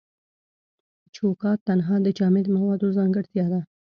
چوکات تنها د جامد موادو ځانګړتیا ده.